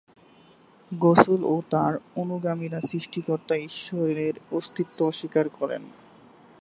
গোসল ও তার অনুগামীরা সৃষ্টিকর্তা ঈশ্বরের অস্তিত্ব অস্বীকার করেন।